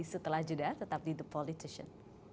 setelah jeda tetap di the politician